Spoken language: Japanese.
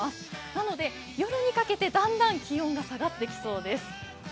なので、夜にかけてだんだん気温が下がってきそうです。